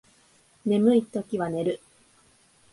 眠いときは寝る